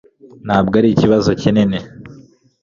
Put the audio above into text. ntabwo arikibazo kinini